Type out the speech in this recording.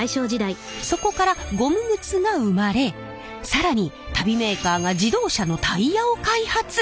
そこからゴム靴が生まれ更に足袋メーカーが自動車のタイヤを開発。